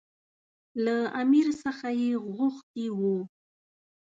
له امیر څخه یې غوښتي وو.